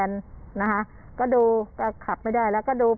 รถของทั้ง๔ล้อเลยนะครับ